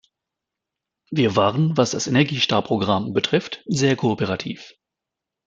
Wir waren, was das Energy-Star-Programm betrifft, sehr kooperativ.